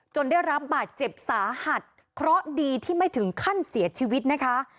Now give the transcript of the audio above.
ได้รับบาดเจ็บสาหัสเพราะดีที่ไม่ถึงขั้นเสียชีวิตนะคะ